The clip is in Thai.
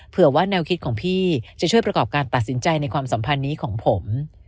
ว่าแนวคิดของพี่จะช่วยประกอบการตัดสินใจในความสัมพันธ์นี้ของผม